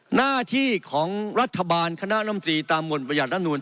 หน้าที่ของรัฐบาลคณะลำตรีตามหนประหยัดรัฐมนูล